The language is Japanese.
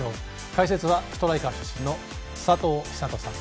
解説はストライカー出身の佐藤寿人さん